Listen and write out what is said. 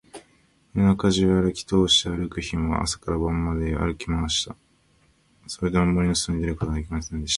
夜中じゅうあるきとおして、あくる日も朝から晩まであるきました。それでも、森のそとに出ることができませんでした。